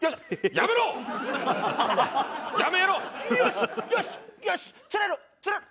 やめろ！